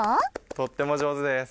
とっても上手です。